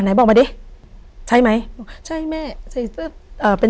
ไหนบอกมาดิใช่ไหมใช่แม่ใส่เสื้อเอ่อเป็น